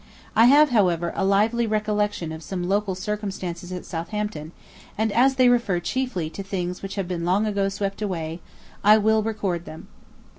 I have, however, a lively recollection of some local circumstances at Southampton, and as they refer chiefly to things which have been long ago swept away, I will record them.